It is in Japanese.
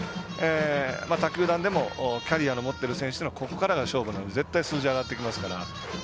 他球団でもキャリアを持ってる選手はここからなので絶対数字、上がってきますから。